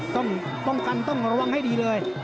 ต้องป้องกันต้องระวังให้ดีเลย